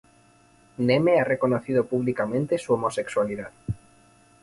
Neme ha reconocido públicamente su homosexualidad.